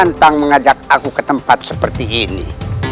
kenapa qentent gaan hanya membawa saya ke tempat ini seperti ini